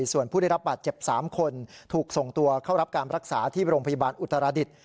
ส่วนผู้ได้รับบาดเจ็บ๓คนถูกส่งตัวเข้ารับการรักษาที่โรงพยาบาลอุตรดิษฐ์